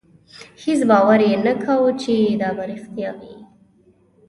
هېڅ باور یې نه کاوه چې دا به رښتیا وي.